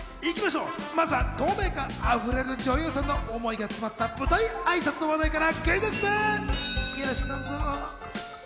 まずは透明感あふれる女優さんの思いが詰まった舞台挨拶の話題から。